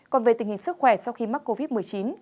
còn về tình hình sức khỏe sau khi mắc covid một mươi chín